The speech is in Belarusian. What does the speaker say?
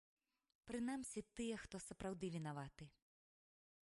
Прынамсі тыя, хто сапраўды вінаваты.